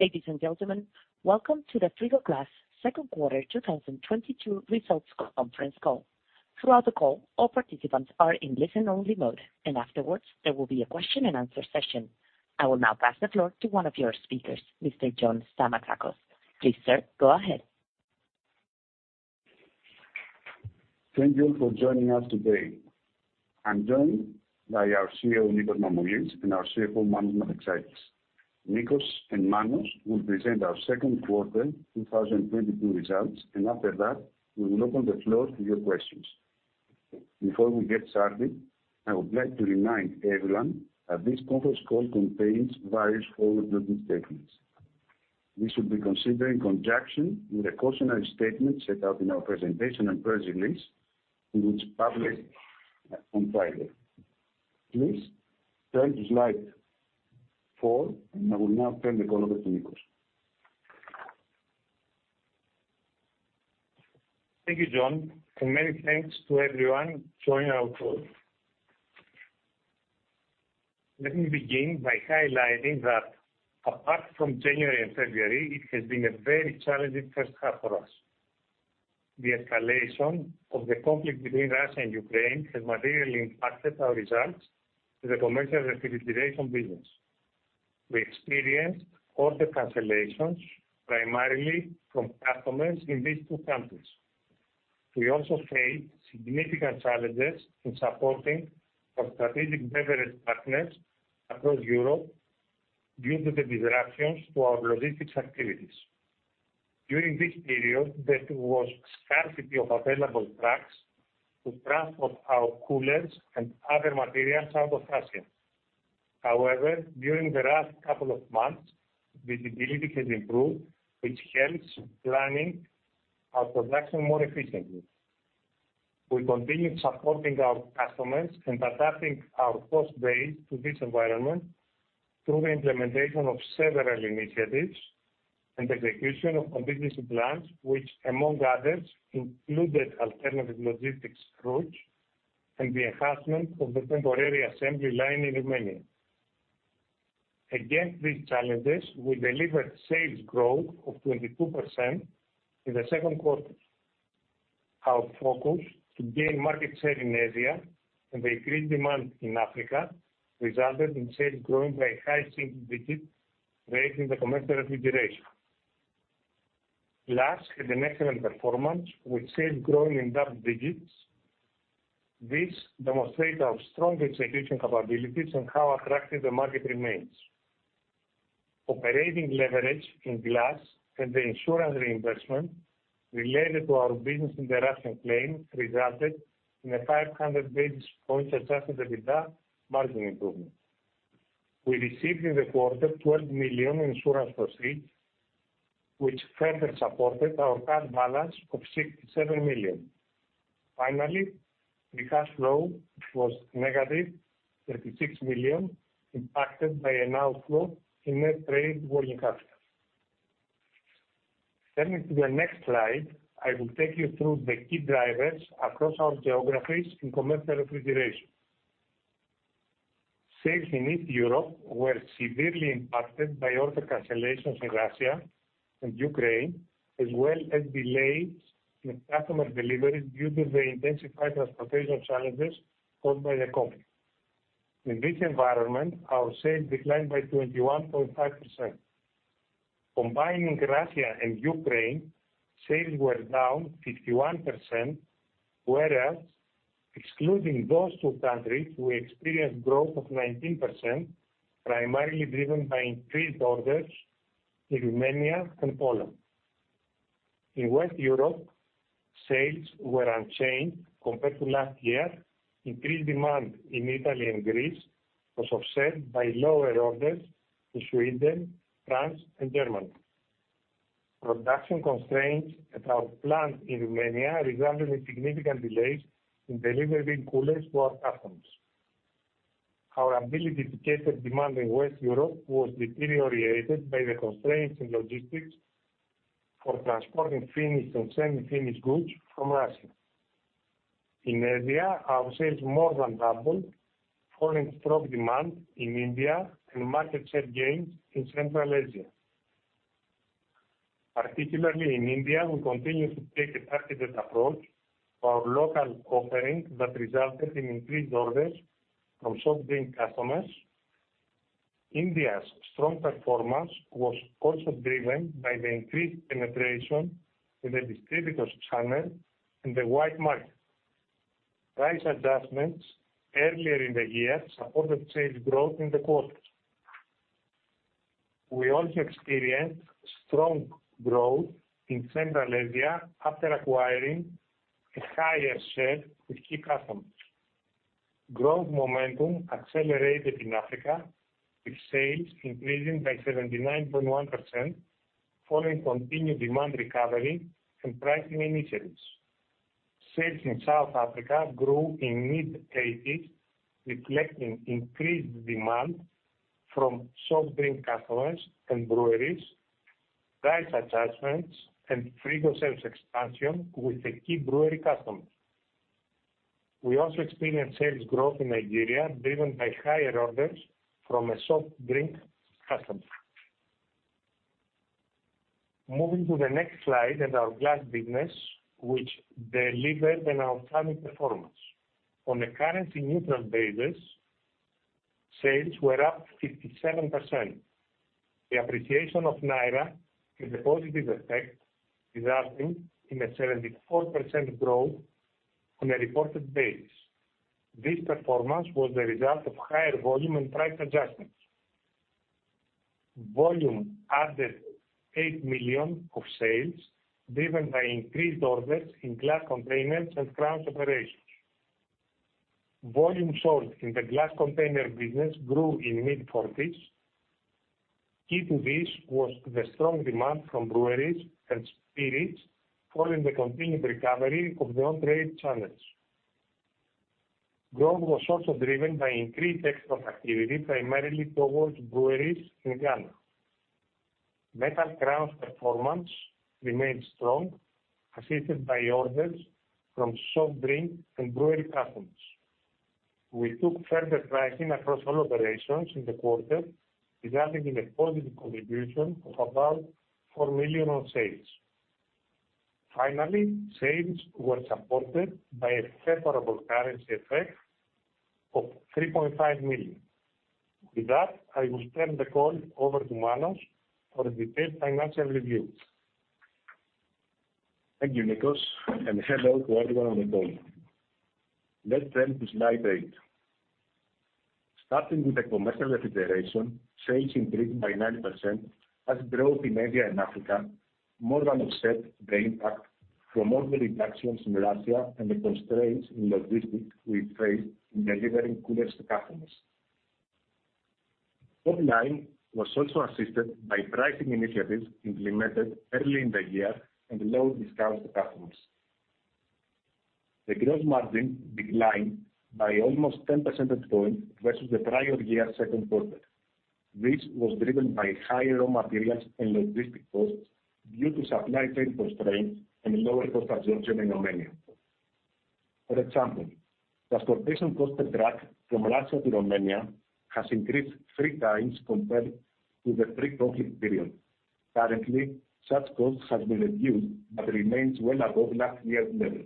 Ladies and gentlemen, welcome to the Frigoglass Q2 2022 results conference call. Throughout the call, all participants are in listen only mode, and afterwards there will be a question and answer session. I will now pass the floor to one of your speakers, Mr. John Stamatakos. Please, sir, go ahead. Thank you all for joining us today. I'm joined by our CEO, Nikos Mamoulis, and our CFO, Manos Metaxakis. Nikos and Manos will present our Q2 2022 results, and after that, we will open the floor to your questions. Before we get started, I would like to remind everyone that this conference call contains various forward-looking statements. This should be considered in conjunction with the cautionary statement set out in our presentation and press release, which published on Friday. Please turn to slide four, and I will now turn the call over to Nikos. Thank you, John, and many thanks to everyone joining our call. Let me begin by highlighting that apart from January and February, it has been a very challenging H1 for us. The escalation of the conflict between Russia and Ukraine has materially impacted our results in the commercial refrigeration business. We experienced order cancellations primarily from customers in these two countries. We also faced significant challenges in supporting our strategic beverage partners across Europe due to the disruptions to our logistics activities. During this period, there was scarcity of available trucks to transport our coolers and other materials out of Russia. However, during the last couple of months, visibility has improved, which helps planning our production more efficiently. We continue supporting our customers and adapting our cost base to this environment through the implementation of several initiatives and execution of contingency plans, which among others, included alternative logistics routes and the enhancement of the temporary assembly line in Romania. Against these challenges, we delivered sales growth of 22% in the Q2. Our focus to gain market share in Asia and the increased demand in Africa resulted in sales growing by high single-digit rate in the commercial refrigeration. Glass had an excellent performance with sales growing in double digits. This demonstrates our strong execution capabilities and how attractive the market remains. Operating leverage in glass and the insurance reinvestment related to our business interruption claim resulted in a 500 basis points adjusted EBITDA margin improvement. We received in the quarter 12 million insurance proceeds, which further supported our cash balance of 67 million. Finally, the cash flow was -36 million, impacted by an outflow in net trade working capital. Turning to the next slide, I will take you through the key drivers across our geographies in commercial refrigeration. Sales in East Europe were severely impacted by order cancellations in Russia and Ukraine, as well as delays in customer deliveries due to the intensified transportation challenges caused by the conflict. In this environment, our sales declined by 21.5%. Combining Russia and Ukraine, sales were down 51%, whereas excluding those two countries we experienced growth of 19%, primarily driven by increased orders in Romania and Poland. In West Europe, sales were unchanged compared to last year. Increased demand in Italy and Greece was offset by lower orders in Sweden, France and Germany. Production constraints at our plant in Romania resulted in significant delays in delivering coolers to our customers. Our ability to capture demand in Western Europe was deteriorated by the constraints in logistics for transporting finished and semi-finished goods from Russia. In Asia, our sales more than doubled following strong demand in India and market share gains in Central Asia. Particularly in India, we continue to take a targeted approach for our local offering that resulted in increased orders from soft drink customers. India's strong performance was also driven by the increased penetration in the distributors channel in the white goods market. Price adjustments earlier in the year supported sales growth in the quarter. We also experienced strong growth in Central Asia after acquiring a higher share with key customers. Growth momentum accelerated in Africa, with sales increasing by 79.1% following continued demand recovery and pricing initiatives. Sales in South Africa grew in mid-80s%, reflecting increased demand from soft drink customers and breweries, price adjustments, and Frigocels expansion with a key brewery customer. We also experienced sales growth in Nigeria, driven by higher orders from a soft drink customer. Moving to the next slide and our glass business, which delivered an outstanding performance. On a currency neutral basis, sales were up 57%. The appreciation of naira had a positive effect, resulting in a 74% growth on a reported basis. This performance was the result of higher volume and price adjustments. Volume added 8 million of sales, driven by increased orders in glass containers and crowns operations. Volume sold in the glass container business grew in mid-40s%. Key to this was the strong demand from breweries and spirits following the continued recovery of the on-trade channels. Growth was also driven by increased export activity, primarily towards breweries in Ghana. Metal crowns performance remained strong, assisted by orders from soft drink and brewery customers. We took further pricing across all operations in the quarter, resulting in a positive contribution of about 4 million on sales. Finally, sales were supported by a favorable currency effect of 3.5 million. With that, I will turn the call over to Manos for the detailed financial review. Thank you, Nikos, and hello to everyone on the call. Let's turn to slide 8. Starting with the commercial refrigeration, sales increased by 90% as growth in India and Africa more than offset the impact from order reductions in Russia and the constraints in logistics we faced in delivering coolers to customers. Top line was also assisted by pricing initiatives implemented early in the year and lower discounts to customers. The gross margin declined by almost 10 percentage points versus the prior year Q2. This was driven by higher raw materials and logistic costs due to supply chain constraints and lower cost absorption in Romania. For example, transportation cost per truck from Russia to Romania has increased three times compared to the pre-conflict period. Currently, such costs has been reduced but remains well above last year's level.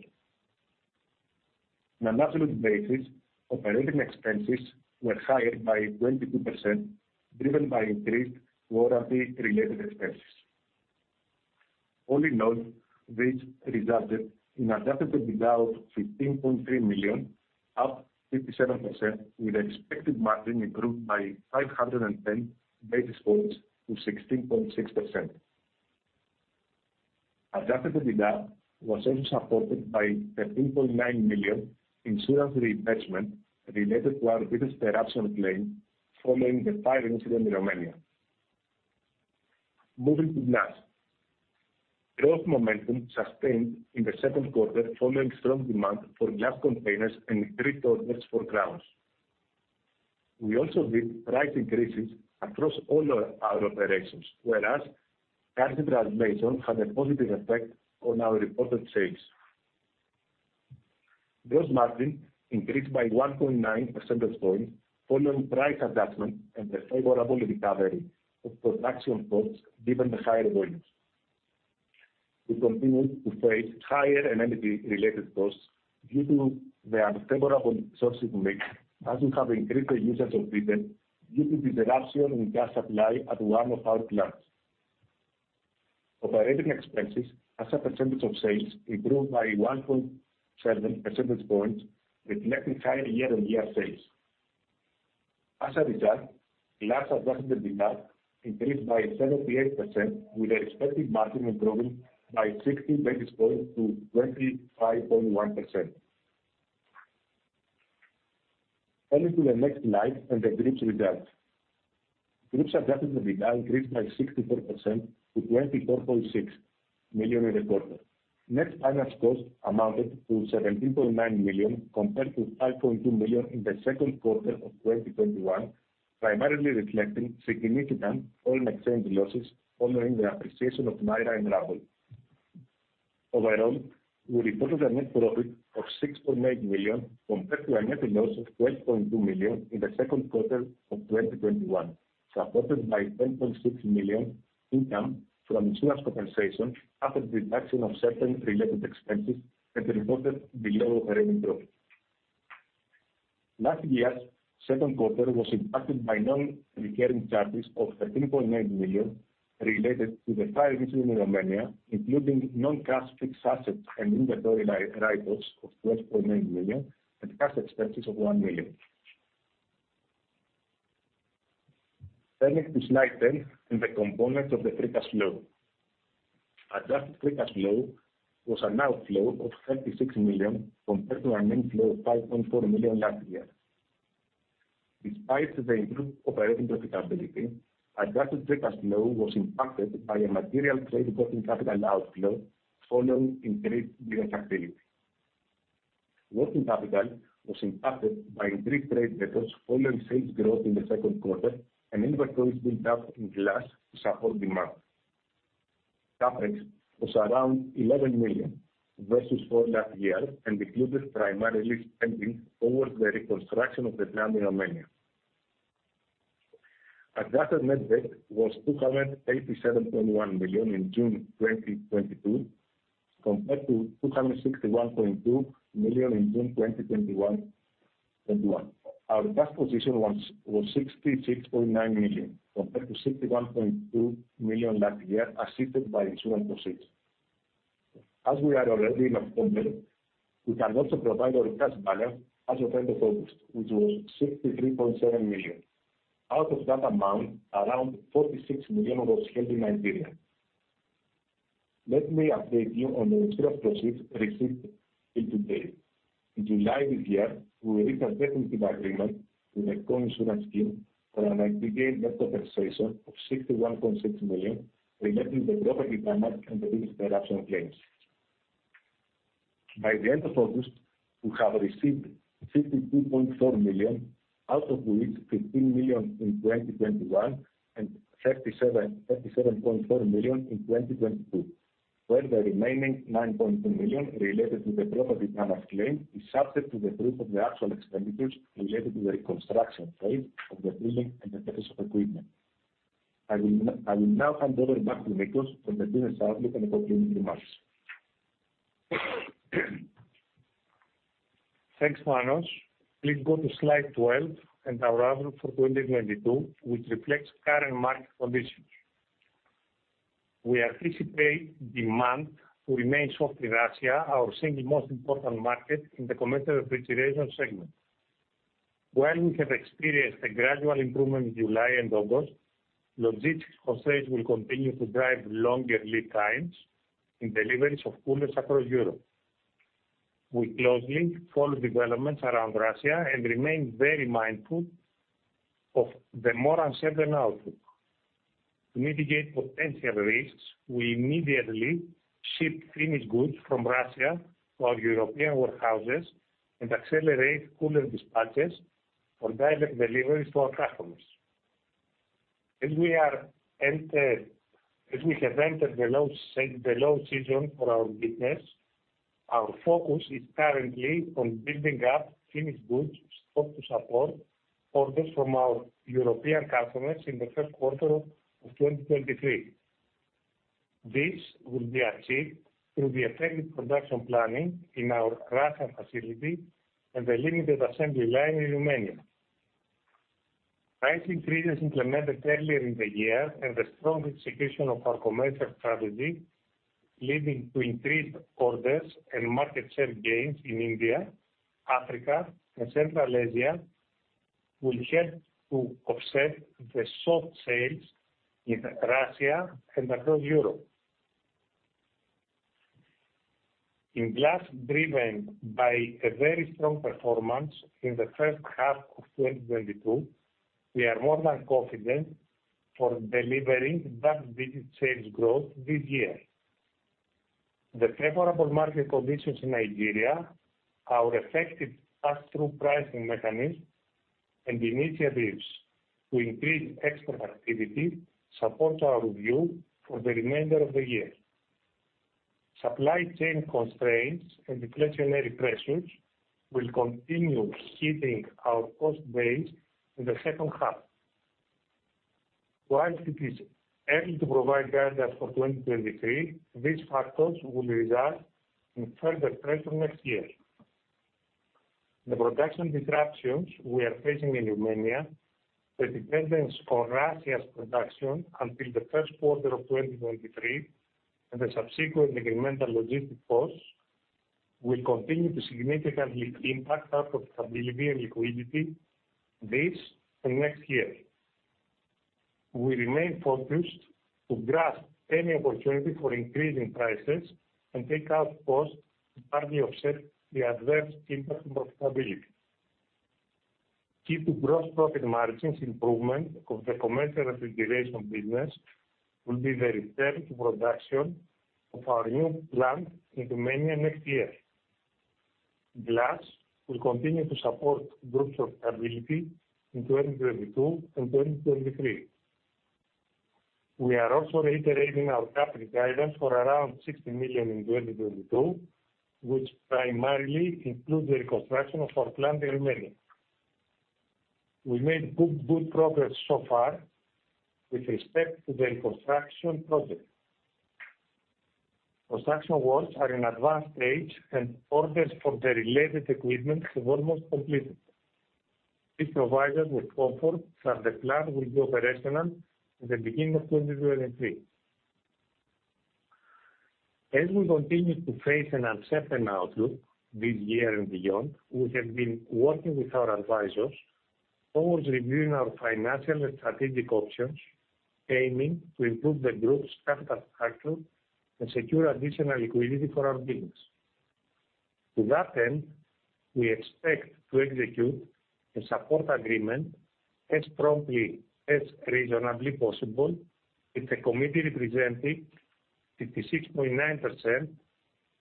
On an absolute basis, operating expenses were higher by 22%, driven by increased warranty-related expenses. All in all, this resulted in adjusted EBITDA of EUR 15.3 million, up 57% with expected margin improved by 510 basis points to 16.6%. Adjusted EBITDA was also supported by 13.9 million insurance reimbursement related to our business interruption claim following the fire incident in Romania. Moving to glass. Growth momentum sustained in the Q2 following strong demand for glass containers and increased orders for crowns. We also did price increases across all our operations, whereas currency translation had a positive effect on our reported sales. Gross margin increased by 1.9 percentage points following price adjustment and the favorable recovery of production costs given the higher volumes. We continued to face higher energy-related costs due to the unfavorable sourcing mix, as we have increased the usage of diesel due to disruption in gas supply at one of our plants. Operating expenses as a percentage of sales improved by 1.7 percentage points, reflecting higher year-on-year sales. As a result, glass adjusted EBITDA increased by 78% with expected margin improving by 60 basis points to 25.1%. Turning to the next slide and the group's results. Group's adjusted EBITDA increased by 64% to 24.6 million in the quarter. Net finance costs amounted to 17.9 million compared to 5.2 million in the Q2 of 2021, primarily reflecting significant foreign exchange losses following the appreciation of naira and rouble. Overall, we reported a net profit of 6.8 million compared to a net loss of 12.2 million in the Q2 of 2021, supported by 10.6 million income from insurance compensation after deduction of certain related expenses and reported below operating profit. Last year's Q2 was impacted by non-recurring charges of 13.9 million related to the fire incident in Romania, including non-cash fixed assets and inventory write-offs of 12.9 million and cash expenses of 1 million. Turning to slide 10 and the components of the free cash flow. Adjusted free cash flow was an outflow of 36 million compared to an inflow of 5.4 million last year. Despite the improved operating profitability, adjusted free cash flow was impacted by a material trade working capital outflow following increased business activity. Working capital was impacted by increased trade debtors following sales growth in the Q2 and inventories built up in glass to support demand. CapEx was around 11 million versus 4 million last year, and included primarily spending towards the reconstruction of the plant in Romania. Adjusted net debt was 287.1 million in June 2022, compared to 261.2 million in June 2021. Our cash position was 66.9 million compared to 61.2 million last year, assisted by insurance proceeds. As we are already in October, we can also provide our cash balance as of end of August, which was 63.7 million. Out of that amount, around 46 million was held in Nigeria. Let me update you on the insurance proceeds received to date. In July this year, we reached a definitive agreement with a co-insurance scheme for EUR 61.6 million aggregate net compensation related to the property damage and the business interruption claims. By the end of August, we have received 52.4 million out of which 15 million in 2021 and 37.4 million in 2022, where the remaining 9.2 million related to the property damage claim is subject to the proof of the actual expenditures related to the reconstruction phase of the building and the purchase of equipment. I will now hand over back to Nikos for the business outlook and concluding remarks. Thanks, Manos. Please go to slide 12 and our outlook for 2022, which reflects current market conditions. We anticipate demand to remain soft in Russia, our single most important market in the commercial refrigeration segment. While we have experienced a gradual improvement in July and August, logistics constraints will continue to drive longer lead times in deliveries of coolers across Europe. We closely follow developments around Russia and remain very mindful of the more uncertain outlook. To mitigate potential risks, we immediately ship finished goods from Russia to our European warehouses and accelerate cooler dispatches for direct deliveries to our customers. As we have entered the low season for our business, our focus is currently on building up finished goods stock to support orders from our European customers in the Q1 of 2023. This will be achieved through the effective production planning in our Russian facility and the limited assembly line in Romania. Price increases implemented earlier in the year and the strong execution of our commercial strategy leading to increased orders and market share gains in India, Africa, and Central Asia will help to offset the soft sales in Russia and across Europe. In Glass, driven by a very strong performance in the H1 of 2022, we are more than confident for delivering double-digit sales growth this year. The favorable market conditions in Nigeria, our effective pass-through pricing mechanism, and initiatives to increase export activity support our view for the remainder of the year. Supply chain constraints and inflationary pressures will continue hitting our cost base in the H2. While it is early to provide guidance for 2023, these factors will result in further pressure next year. The production disruptions we are facing in Romania, the dependence on Russia's production until the Q1 of 2023, and the subsequent incremental logistic costs will continue to significantly impact our profitability and liquidity this and next year. We remain focused to grasp any opportunity for increasing prices and take out costs to partly offset the adverse impact on profitability. Key to gross profit margins improvement of the commercial refrigeration business will be the return to production of our new plant in Romania next year. Glass will continue to support group profitability in 2022 and 2023. We are also reiterating our capital guidance for around 60 million in 2022, which primarily includes the reconstruction of our plant in Romania. We made good progress so far with respect to the reconstruction project. Construction works are in advanced stage, and orders for the related equipment have almost completed. This provides us with comfort that the plant will be operational at the beginning of 2023. As we continue to face an uncertain outlook this year and beyond, we have been working with our advisors towards reviewing our financial and strategic options, aiming to improve the group's capital structure and secure additional liquidity for our business. To that end, we expect to execute a support agreement as promptly as reasonably possible with a committee representing 66.9%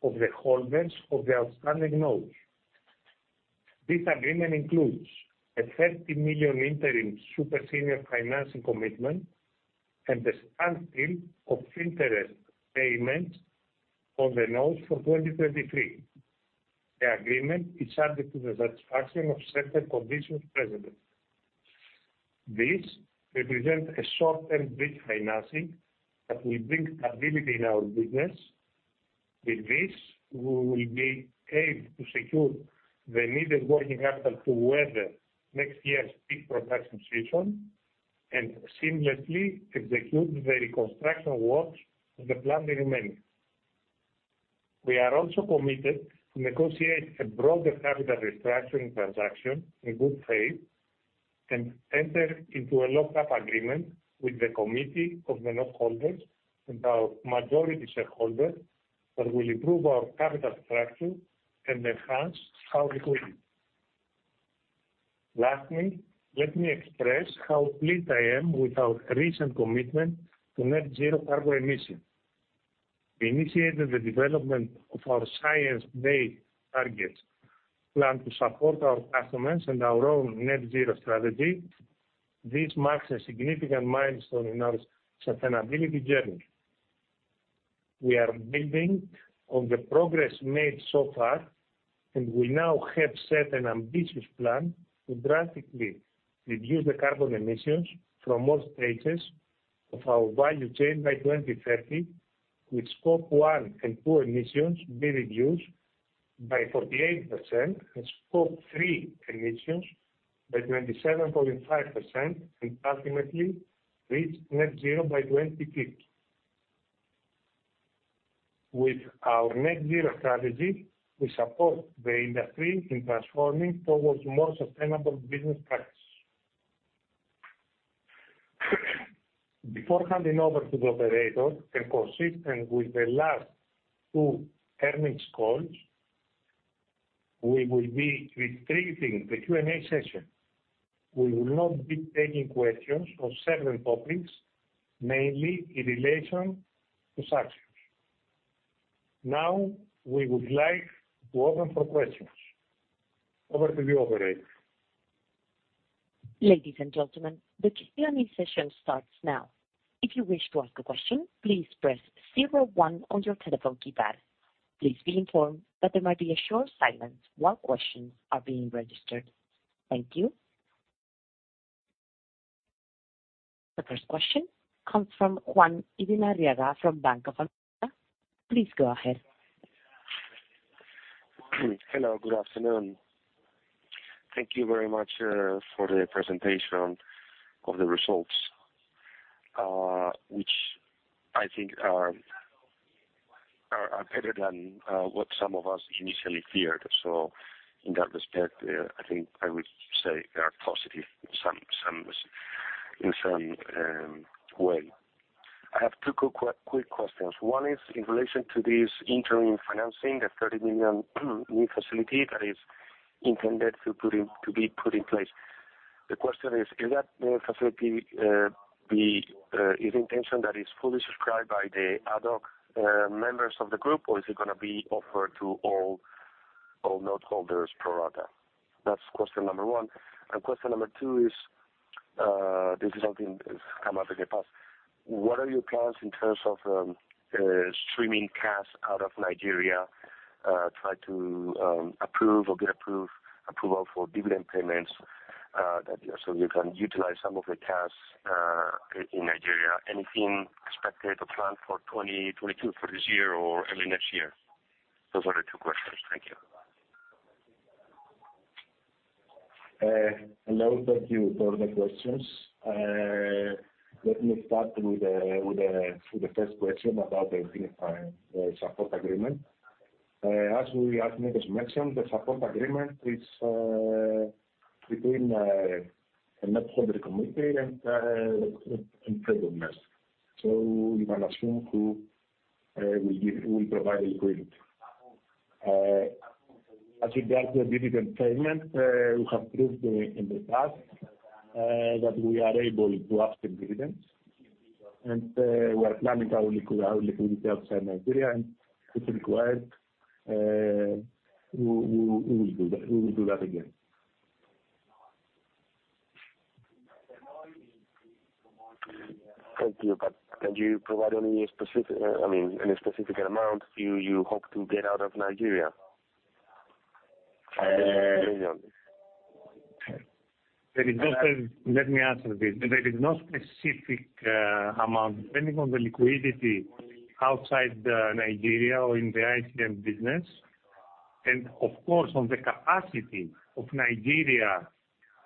of the holders of the outstanding notes. This agreement includes a $30 million interim super senior financing commitment and the deferral of interest payments on the notes for 2023. The agreement is subject to the satisfaction of certain conditions precedent. This represents a short-term bridge financing that will bring stability in our business. With this, we will be able to secure the needed working capital to weather next year's peak production season and seamlessly execute the reconstruction works of the plant in Romania. We are also committed to negotiate a broader capital restructuring transaction in good faith and enter into a lock-up agreement with the committee of the note holders and our majority shareholder that will improve our capital structure and enhance our liquidity. Lastly, let me express how pleased I am with our recent commitment to net zero carbon emission. We initiated the development of our science-based targets plan to support our customers and our own net zero strategy. This marks a significant milestone in our sustainability journey. We are building on the progress made so far, and we now have set an ambitious plan to drastically reduce the carbon emissions from all stages of our value chain by 2030, with Scope one and two emissions to be reduced by 48% and Scope three emissions by 97.5%, and ultimately reach net zero by 2050. With our net zero strategy, we support the industry in transforming towards more sustainable business practices. Before handing over to the operator and consistent with the last two earnings calls, we will be restricting the Q&A session. We will not be taking questions on certain topics, mainly in relation to sanctions. Now, we would like to open for questions. Over to the operator. Ladies and gentlemen, the Q&A session starts now. If you wish to ask a question, please press zero one on your telephone keypad. Please be informed that there might be a short silence while questions are being registered. Thank you. The first question comes from Juan Irina Arriaga from Bank of America. Please go ahead. Hello, good afternoon. Thank you very much for the presentation of the results, which I think are better than what some of us initially feared. In that respect, I think I would say they are positive in some way. I have two quick questions. One is in relation to this interim financing, the 30 million new facility that is intended to be put in place. The question is the intention that it is fully subscribed by the other members of the group or is it gonna be offered to all note holders pro rata? That's question number one. Question number two is, this is something that's come up in the past. What are your plans in terms of streaming cash out of Nigeria, try to approve or get approval for dividend payments so that you can utilize some of the cash in Nigeria. Anything expected or planned for 2022, for this year or early next year? Those are the two questions. Thank you. Hello. Thank you for the questions. Let me start with the first question about the support agreement. As Nikos mentioned, the support agreement is between the note holder committee and creditors. You can assume who will provide liquidity. As regards the dividend payment, we have proved in the past that we are able to upstream dividends, and we are planning our liquidity outside Nigeria, and if required, we will do that again. Thank you. Can you provide any specific, I mean, any specific amount you hope to get out of Nigeria? Uh. EUR 5 million, EUR 10 million. Let me answer this. There is no specific amount depending on the liquidity outside Nigeria or in the ICM business. Of course, on the capacity of Nigeria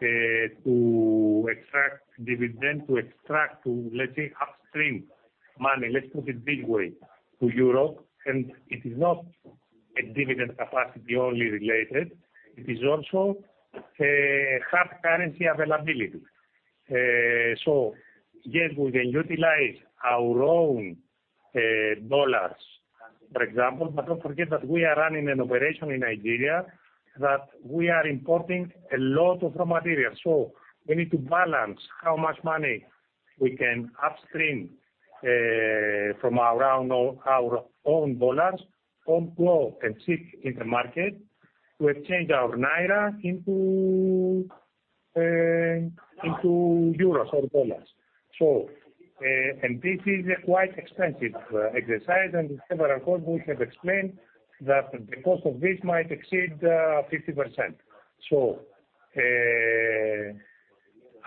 to extract dividend to, let's say, upstream money, let's put it this way, to Europe. It is not a dividend capacity only related. It is also hard currency availability. Yes, we can utilize our own dollars, for example, but don't forget that we are running an operation in Nigeria, that we are importing a lot of raw materials. We need to balance how much money we can upstream from around our own dollars, homegrown and seek in the market to exchange our naira into euros or dollars. This is a quite expensive exercise, and several calls we have explained that the cost of this might exceed 50%.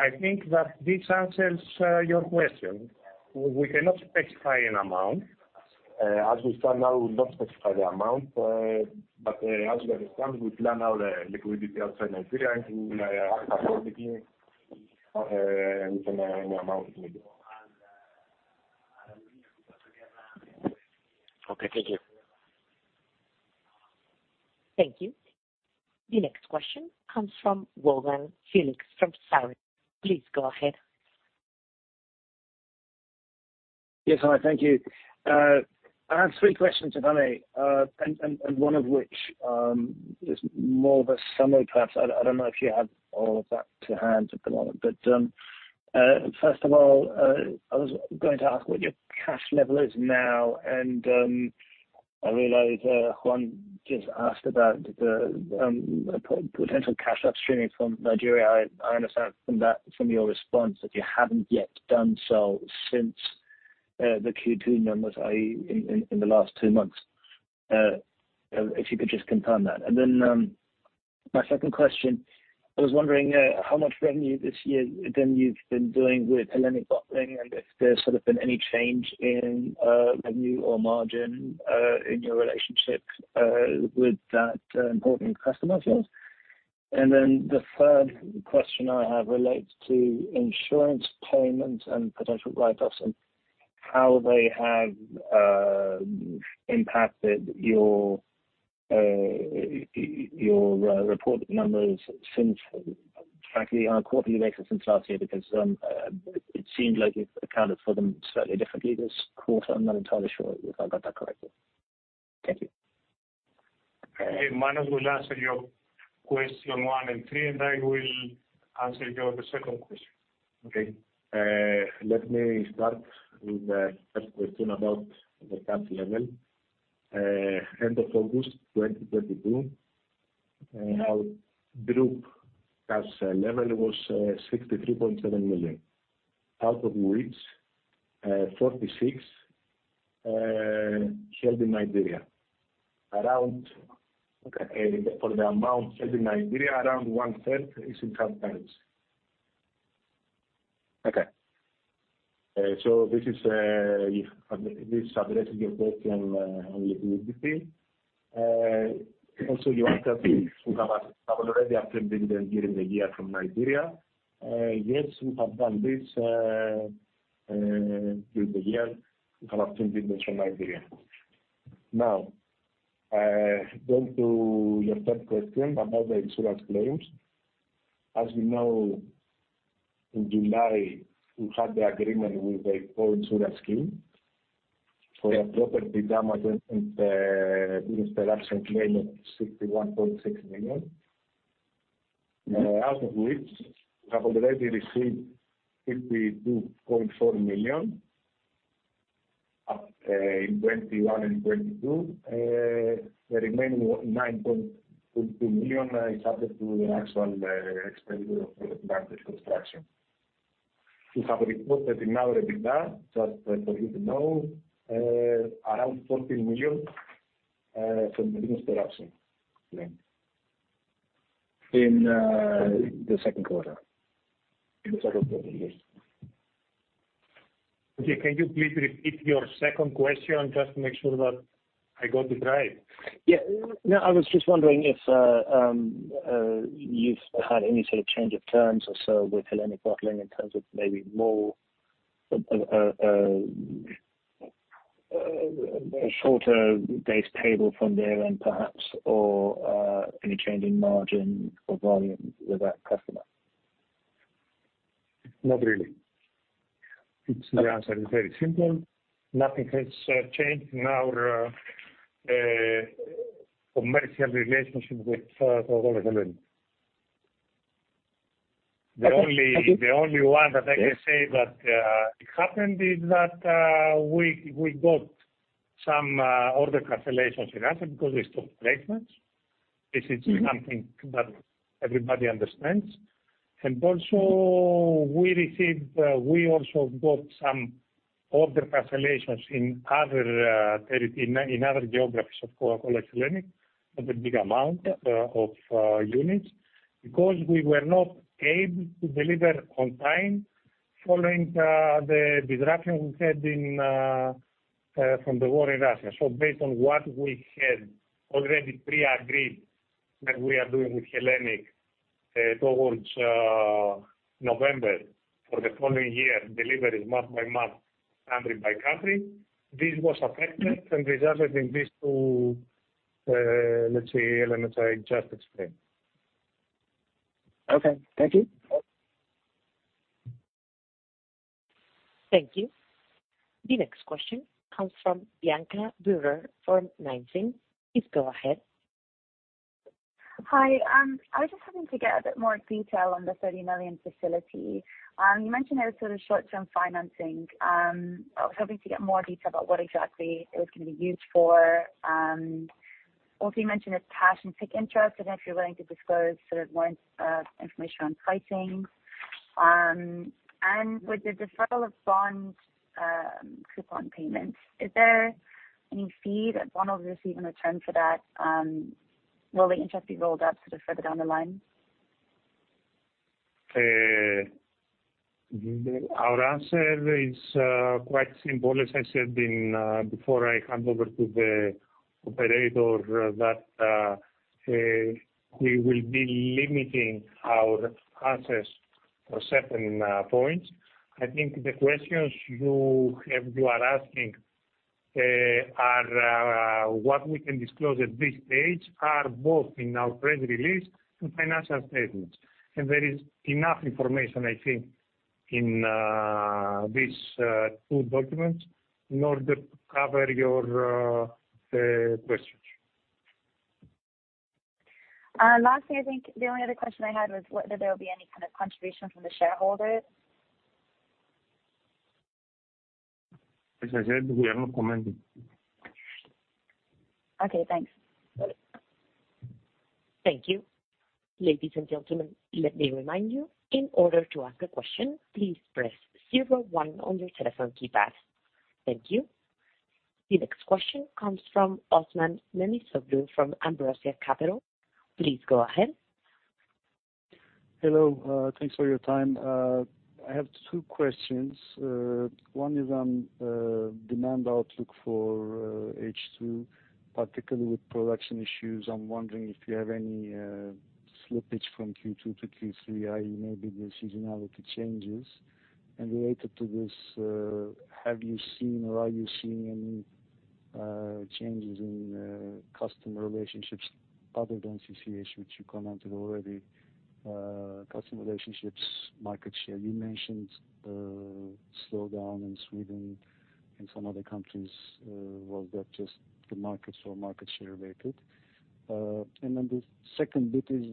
I think that this answers your question. We cannot specify an amount. As we stand now, we don't specify the amount. As you understand, we plan our liquidity outside Nigeria accordingly with any amount if needed. Okay. Thank you. Thank you. The next question comes from Rowan Felix from Sarris. Please go ahead. Yes. Hi. Thank you. I have three questions, if any, and one of which is more of a summary perhaps. I don't know if you have all of that to hand at the moment, but first of all, I was going to ask what your cash level is now, and I realize Juan just asked about the potential cash upstreaming from Nigeria. I understand from that, from your response, that you haven't yet done so since the Q2 numbers, i.e., in the last two months. If you could just confirm that. My second question, I was wondering how much revenue this year then you've been doing with Hellenic Bottling, and if there's sort of been any change in revenue or margin in your relationship with that important customer of yours. The third question I have relates to insurance payments and potential write-offs and how they have impacted your reported numbers since frankly on a quarterly basis since last year, because it seemed like you've accounted for them slightly differently this quarter. I'm not entirely sure if I got that correctly. Thank you. Manos will answer your question one and three, and I will answer your second question. Okay. Let me start with the first question about the cash level. End of August 2022, our group cash level was 63.7 million, out of which 46 million held in Nigeria. Around- Okay. For the amount held in Nigeria, around one third is in hard currency. Okay. This addresses your question on liquidity. Also, you asked us, we have already obtained dividends during the year from Nigeria. Now, going to your third question about the insurance claims. As you know, in July, we had the agreement with the co-insurance scheme for a property damage and business interruption claim of 61.6 million. Out of which we have already received 52.4 million in 2021 and 2022. The remaining 9.2 million is subject to the actual expenditure of the plant reconstruction. We have reported in our EBITDA, just for you to know, around EUR 14 million from the business interruption claim. In the Q2. In theQ2 yes. Okay. Can you please repeat your second question just to make sure that I got it right? Yeah. No, I was just wondering if you've had any sort of change of terms or so with Hellenic Bottling in terms of maybe more a shorter days payable from there and perhaps or any change in margin or volume with that customer. Not really. The answer is very simple. Nothing has changed in our commercial relationship with Coca-Cola Hellenic. Okay. The only one that I can say that happened is that we got some order cancellations in Russia because we stopped placements. This is something that everybody understands. Also we got some order cancellations in other territory, in other geographies of Coca-Cola Hellenic of a big amount of units because we were not able to deliver on time following the disruption we had from the war in Russia. Based on what we had already pre-agreed that we are doing with Hellenic towards November for the following year deliveries month by month, country by country, this was affected and resulted in these two let's say elements I just explained. Okay. Thank you. Thank you. The next question comes from Bianca Burer from Nineteen. Please go ahead. Hi. I was just hoping to get a bit more detail on the 30 million facility. You mentioned it was sort of short term financing. I was hoping to get more detail about what exactly it was gonna be used for. Also you mentioned it's cash and PIK interest. I don't know if you're willing to disclose sort of more information on pricing. With the deferral of bonds coupon payments, is there any fee that one will receive in return for that? Will the interest be rolled up sort of further down the line? Our answer is quite simple. As I said in before I hand over to the operator, that we will be limiting our answers for certain points. I think the questions you have you are asking are what we can disclose at this stage are both in our press release and financial statements. There is enough information, I think, in these two documents in order to cover your questions. Lastly, I think the only other question I had was whether there will be any kind of contribution from the shareholders. As I said, we are not commenting. Okay, thanks. Thank you. Ladies and gentlemen, let me remind you, in order to ask a question, please press zero one on your telephone keypad. Thank you. The next question comes from Osman Memisoglu from Ambrosia Capital. Please go ahead. Hello. Thanks for your time. I have two questions. One is on demand outlook for H2, particularly with production issues. I'm wondering if you have any slippage from Q2 to Q3, i.e., maybe the seasonality changes. Related to this, have you seen or are you seeing any changes in customer relationships other than CCH, which you commented already? Customer relationships, market share. You mentioned slowdown in Sweden and some other countries. Was that just the markets or market share related? The second bit is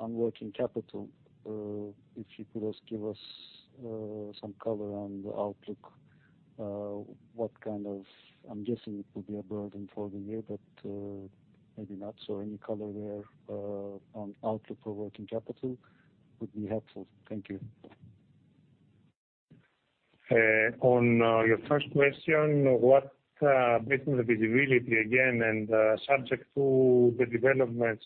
on working capital. If you could just give us some color on the outlook, I'm guessing it will be a burden for the year, but maybe not. Any color there on outlook for working capital would be helpful. Thank you. On your first question, what business visibility again, and subject to the developments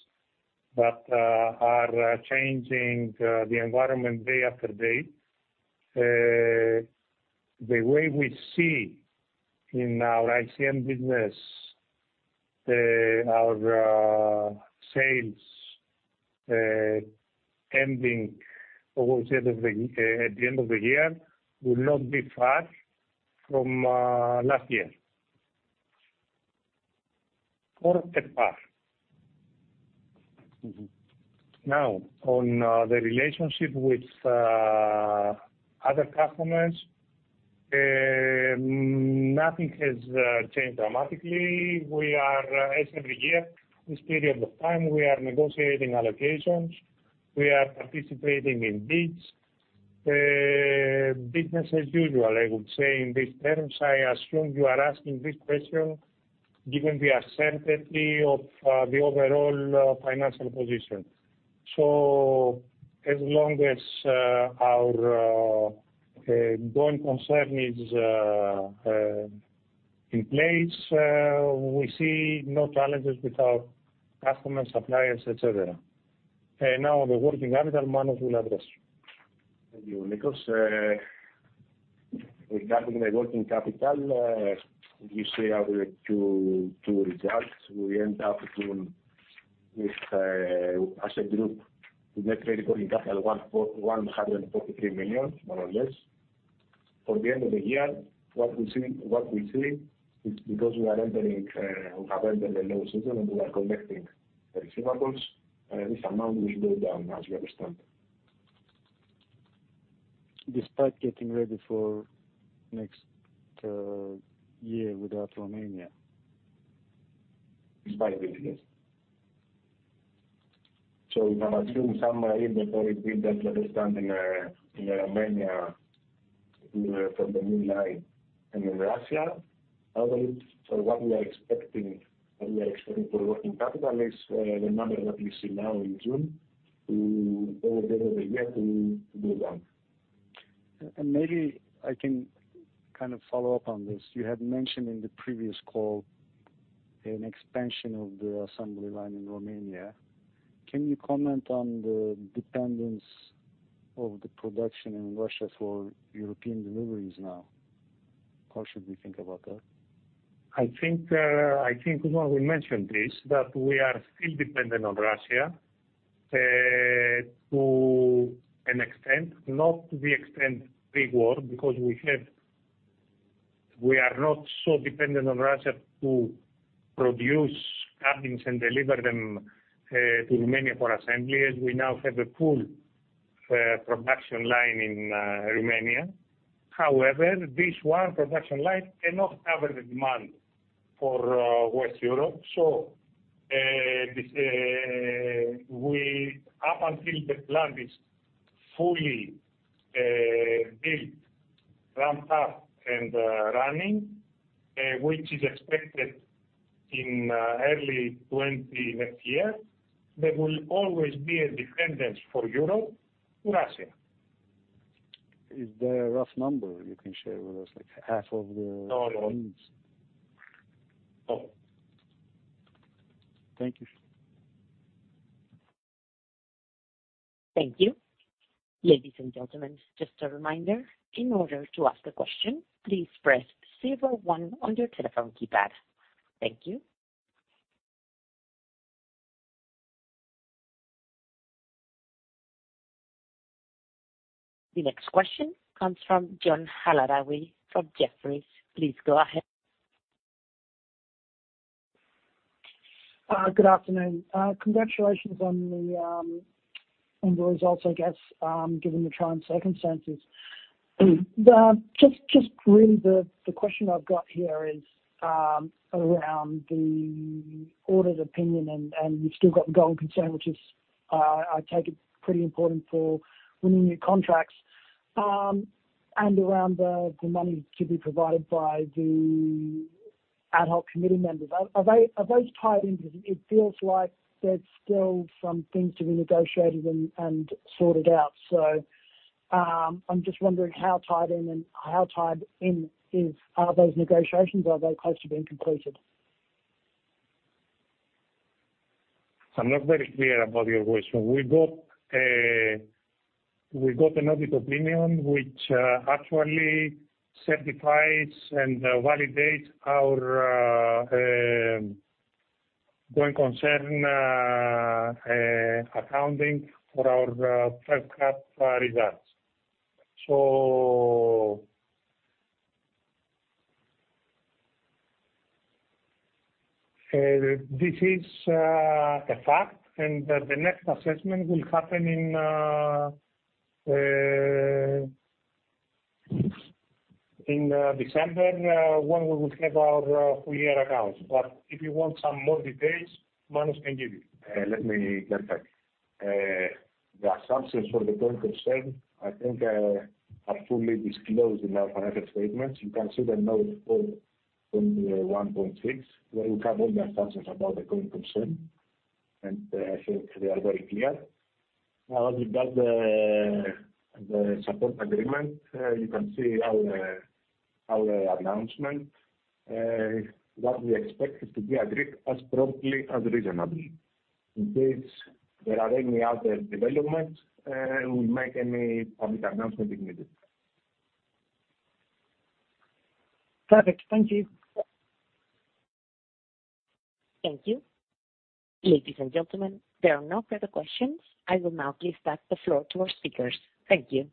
that are changing the environment day after day, the way we see in our ICM business, our sales ending, how I would say at the end of the year, will not be far from last year, for that part. Now, on the relationship with other customers, nothing has changed dramatically. We are, as every year, this period of time, we are negotiating allocations. We are participating in bids. Business as usual, I would say in these terms. I assume you are asking this question given the adversity of the overall financial position. As long as our going concern is in place, we see no challenges with our customers, suppliers, et cetera. Now the working capital, Manos will address. Thank you, Nikos. Regarding the working capital, you see our Q2 results. We end up doing with, as a group with net working capital 101.143 million, more or less. For the end of the year, what we see is because we have entered the low season and we are collecting the receivables, this amount will go down as you understand. Despite getting ready for next year with Romania? Despite it, yes. If I'm assuming some in Romania from the new line and in Russia, other than. What we are expecting for working capital is the number that you see now in June to over the course of the year to go down. Maybe I can kind of follow up on this. You had mentioned in the previous call an expansion of the assembly line in Romania. Can you comment on the dependence of the production in Russia for European deliveries now? How should we think about that? I think Manos will mention this, that we are still dependent on Russia to an extent, not to the extent pre-war because we are not so dependent on Russia to produce cabinets and deliver them to Romania for assembly, as we now have a full production line in Romania. However, this one production line cannot cover the demand for Western Europe. Up until the plant is fully built, ramped up and running, which is expected in early 2020 next year, there will always be a dependence for Europe to Russia. Is there a rough number you can share with us, like half of the? No, no. - Thank you. Thank you. Ladies and gentlemen, just a reminder, in order to ask a question, please press zero one on your telephone keypad. Thank you. The next question comes from John Galari from Jefferies. Please go ahead. Good afternoon. Congratulations on the results, I guess, given the trying circumstances. Just really the question I've got here is around the audit opinion and you've still got going concern, which I take it is pretty important for winning new contracts. And around the money to be provided by the ad hoc committee members. Are they tied in? Because it feels like there's still some things to be negotiated and sorted out. I'm just wondering how tied in. Are those negotiations close to being completed? I'm not very clear about your question. We got an audit opinion which actually certifies and validates our going concern accounting for our H1 results. This is a fact, and the next assessment will happen in December when we will have our full year accounts. If you want some more details, Manos can give you. Let me jump in. The assumptions for the going concern, I think, are fully disclosed in our financial statements. You can see the note four on the 1.6, where we have all the assumptions about the going concern. I think they are very clear. Regarding the support agreement, you can see our announcement. What we expect is to be agreed as promptly as reasonably. In case there are any other developments, we'll make any public announcement immediately. Perfect. Thank you. Thank you. Ladies and gentlemen, there are no further questions. I will now give back the floor to our speakers. Thank you.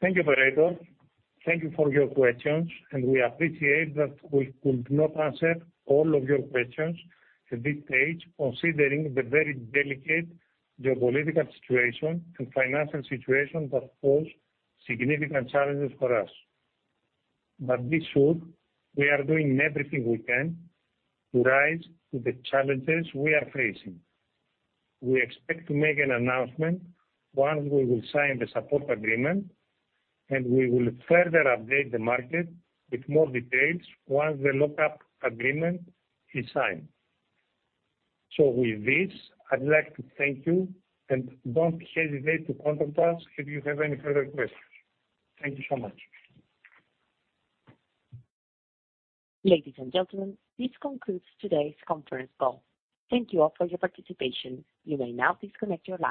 Thank you, operator. Thank you for your questions, and we appreciate that we could not answer all of your questions at this stage, considering the very delicate geopolitical situation and financial situation that pose significant challenges for us. Be sure we are doing everything we can to rise to the challenges we are facing. We expect to make an announcement once we will sign the support agreement, and we will further update the market with more details once the lock-up agreement is signed. With this, I'd like to thank you, and don't hesitate to contact us if you have any further questions. Thank you so much. Ladies and gentlemen, this concludes today's conference call. Thank you all for your participation. You may now disconnect your lines.